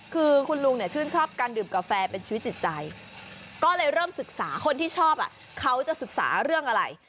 คือคุณลุงเนี่ยชื่นชอบการดื่มกาแฟเป็นชีวิตจิตใจก็เลยเริ่มศึกษาคนที่ชอบเขาจะศึกษาเรื่องอะไร